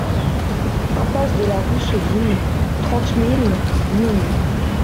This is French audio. Impasse de la Rousseline, trente mille Nîmes